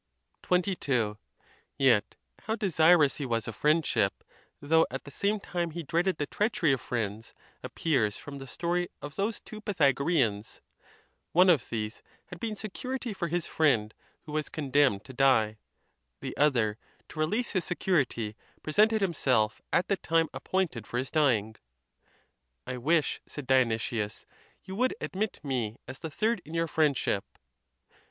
XXII. Yet, how desirous he was of friendship, though at the same time he dreaded the treachery of friends, ap pears from the story of those two Pythagoreans: one of these had been security for his friend, who was condemned to die; the other, to release his security, presented himself at the time appointed for his dying: "I wish," said Dio nysius, "you would admit me as the third in your friend ship."